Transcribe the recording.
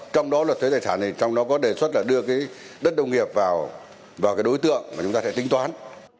trong đó là thuế tài sản này trong đó có đề xuất là đưa cái đất nông nghiệp vào vào cái đối tượng mà chúng ta sẽ tính toán